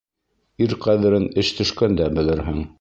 Ир ҡәҙерен эш төшкәндә белерһең.